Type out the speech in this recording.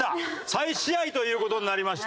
再試合という事になりました。